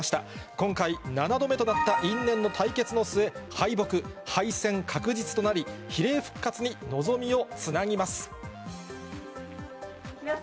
今回、７度目となった因縁の対決の末、敗北、敗戦確実となり、比例復活に望みをつなぎます。